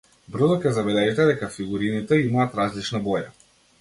Брзо ќе забележите дека фигурините имаат различна боја.